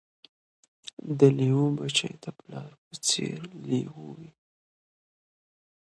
د لېوه بچی د پلار په څېر لېوه وي